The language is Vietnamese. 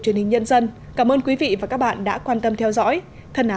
truyền hình nhân dân cảm ơn quý vị và các bạn đã quan tâm theo dõi thân ái chào tạm biệt